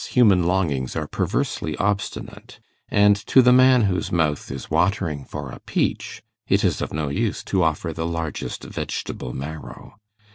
human longings are perversely obstinate; and to the man whose mouth is watering for a peach, it is of no use to offer the largest vegetable marrow.